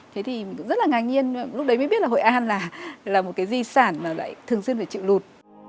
thế thì rất là ngạc nhiên lúc đấy mới biết là hội an là một cái di sản mà lại thường xuyên phải chịu lụt